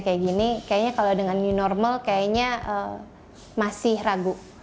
kayak gini kayaknya kalau dengan new normal kayaknya masih ragu